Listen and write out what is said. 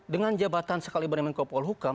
dengan jabatan sekaliber yang mengkopol hukum